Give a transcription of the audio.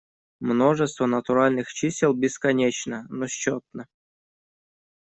Множество натуральных чисел бесконечно, но счетно.